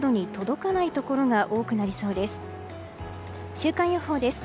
週間予報です。